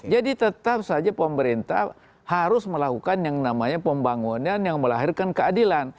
jadi tetap saja pemerintah harus melakukan yang namanya pembangunan yang melahirkan keadilan